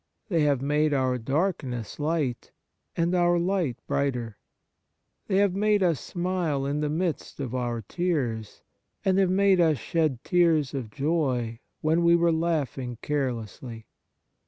They have made our darkness light, and our light brighter. They have made us smile in the midst of our tears, and have made us shed tears of joy when we were laughing carelessly.